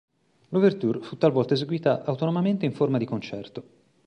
L"'Ouverture" fu talvolta eseguita autonomamente in forma di concerto.